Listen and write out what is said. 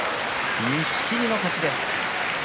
錦木の勝ちです。